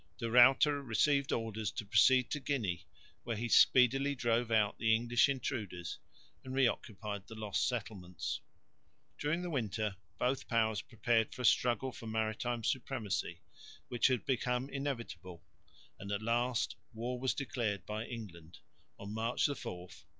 De Ruyter received orders to proceed to Guinea, where he speedily drove out the English intruders and reoccupied the lost settlements. During the winter both powers prepared for a struggle for maritime supremacy which had become inevitable; and at last war was declared by England (March 4, 1665).